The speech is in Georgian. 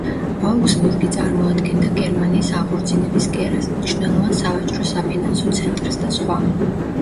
აუგსბურგი წარმოადგენდა გერმანიის აღორძინების კერას, მნიშვნელოვან სავაჭრო-საფინანსო ცენტრს და სხვა.